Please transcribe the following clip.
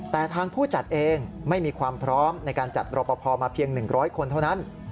แต่ทางผู้จัดเองไม่มีความพร้อมในการจัดรอปภมาเพียง๑๐๐คนเท่านั้น